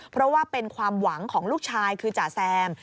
เพราะว่าเป็นความหวังของลูกชายคือจ่าแซม